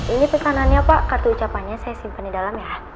ini pesanannya pak kartu ucapannya saya simpan di dalam ya